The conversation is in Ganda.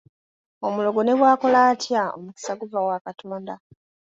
Omulogo ne bw’akola atya, omukisa guva wa Katonda.